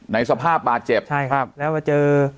ในสภาพบาดเจ็บใช่ครับแล้วมาเจอ